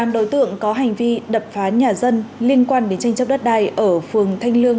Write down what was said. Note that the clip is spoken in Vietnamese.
một mươi tám đối tượng có hành vi đập phá nhà dân liên quan đến tranh chấp đất đai ở phường thanh lương